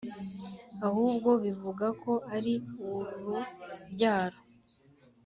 Ahubwo bivuga ko ari urubyaro